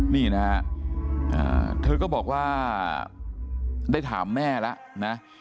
นี่นะฮะเธอก็บอกว่าได้ถามแม่แล้วนะ